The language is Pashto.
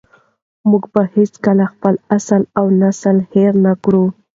موږ به هېڅکله خپل اصل او نسل هېر نه کړو.